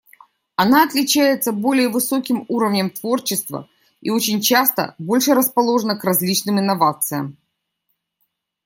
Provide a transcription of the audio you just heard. Она отличается более высоким уровнем творчества и очень часто больше расположена к различным инновациям.